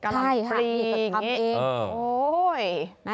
ใช่ค่ะทำเองกำพรีอย่างนี้